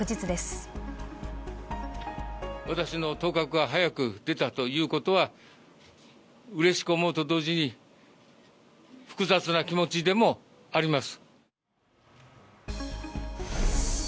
私の当確が早く出たということは、うれしく思うと同時に複雑な気持ちでもあります。